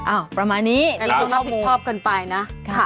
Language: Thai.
อ้าวประมาณนี้การตรวจแคร์หลาดผิดชอบกันไปนะ